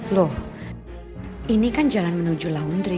loh ini kan jalan menuju laundry